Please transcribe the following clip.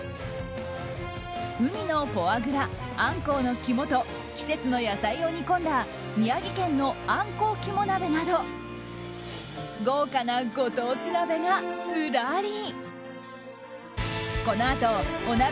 海のフォアグラ、アンコウの肝と季節の野菜を煮込んだ宮城県のあんこう肝鍋など豪華なご当地鍋がずらり！